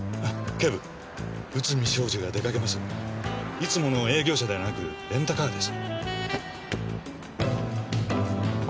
いつもの営業車ではなくレンタカーです。